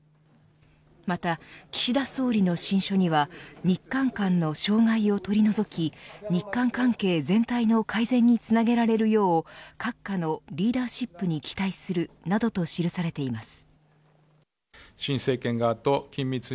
また岸田総理の親書には日韓間の障害を取り除き日韓関係全体の改善につなげられるよう閣下のリーダーシップに期待するなどと記されています。